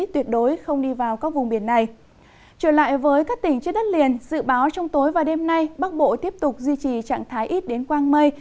trở lại với các tỉnh trên đất liền dự báo trong tối và đêm nay bắc bộ tiếp tục duy trì trạng thái ít đến quang mây